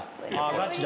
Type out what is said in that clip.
ガチだ」